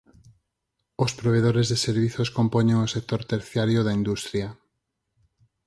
Os provedores de servizos compoñen o sector terciario da industria.